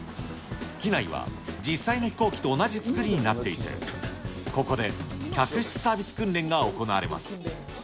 機内は実際の飛行機と同じ作りになっていて、ここで客室サービス訓練が行われます。